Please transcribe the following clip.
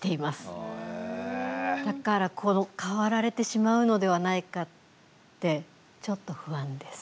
だから代わられてしまうのではないかってちょっと不安です。